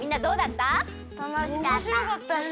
たのしかった。